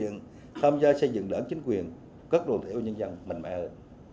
chưa phát quy vai trò xây dựng đảng chính quyền cấp độ tiểu nhân dân mạnh mẽ hơn